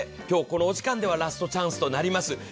今日このお時間ではラストチャンスとなります。